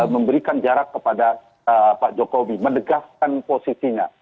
memberikan jarak kepada pak jokowi menegaskan posisinya